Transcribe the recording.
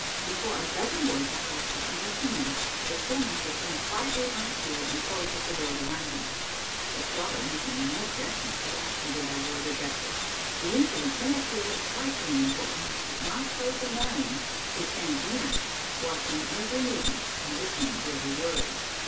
Before a dozen words have passed between the two men, the schoolmaster turns quietly upon his heel, and closes the door behind him the squatter making no objection to the act, either by word or gesture! The incident may appear of trifling importance; but not so to Marian, who stands near, watching every movement, and listening to every word.